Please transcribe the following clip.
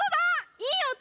いいおと！